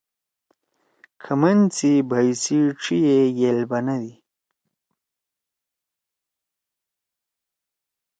کھمن سی بھئی سی ڇھی ئے یئل بنَدی۔